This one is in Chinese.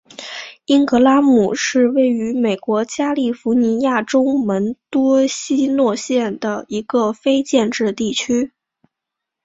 因格拉姆是位于美国加利福尼亚州门多西诺县的一个非建制地区。